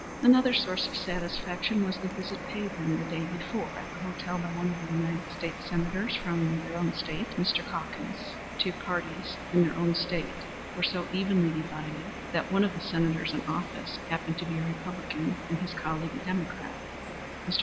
Another source of satisfaction was the visit paid them the day before at the hotel by one of the United States Senators from their own State Mr. Calkins. The two political parties in their own State were so evenly divided that one of the Senators in office happened to be a Republican and his colleague a Democrat. Mr.